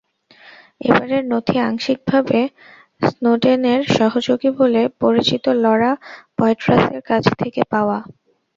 এবারের নথি আংশিকভাবে স্নোডেনের সহযোগী বলে পরিচিত লরা পয়ট্রাসের কাছ থেকে পাওয়া।